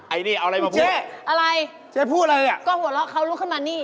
ไอ้นี่เอาอะไรมาพูดเจ๊อะไร